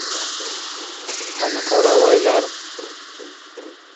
— Qani qoravoylar!